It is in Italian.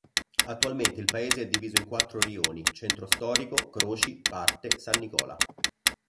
Attualmente il paese è diviso in quattro rioni: "Centro storico", "Croci", "Parte", "San Nicola".